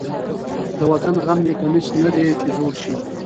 د وطن غم مې کمیس نه دی چې زوړ شي.